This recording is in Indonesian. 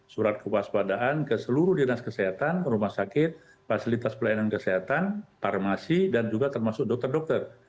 surat kewaspadaan ke seluruh dinas kesehatan rumah sakit fasilitas pelayanan kesehatan farmasi dan juga termasuk dokter dokter